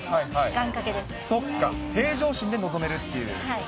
そっか、平常心で臨めるっていう。